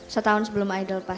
satu tahun sebelum idol pas